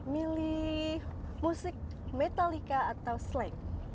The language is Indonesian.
milih musik metallica atau slang